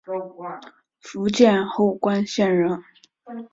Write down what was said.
福建侯官县人。